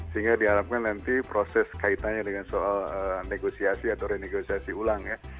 sehingga diharapkan nanti proses kaitannya dengan soal negosiasi atau renegosiasi ulang ya